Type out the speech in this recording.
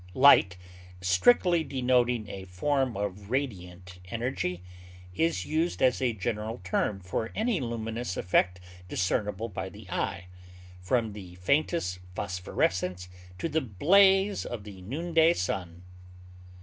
Light, strictly denoting a form of radiant energy, is used as a general term for any luminous effect discernible by the eye, from the faintest phosphorescence to the blaze of the noonday sun.